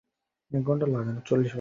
আপনার সেবায় নিয়োজিত আমি রাও।